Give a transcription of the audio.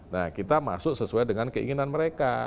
nah kita masuk sesuai dengan keinginan mereka